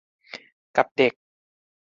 กับเด็ก